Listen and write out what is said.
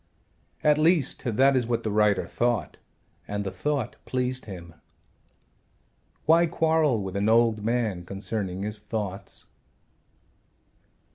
At least that is what the writer thought and the thought pleased him. Why quarrel with an old man concerning his thoughts?